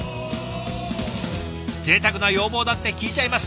ぜいたくな要望だって聞いちゃいます。